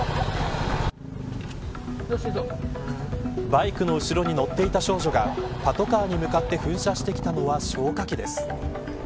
バイクの後ろに乗っていた少女がパトカーに向かって噴射してきたのは消火器です。